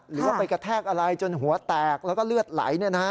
หรือว่าไปกระแทกอะไรจนหัวแตกแล้วก็เลือดไหล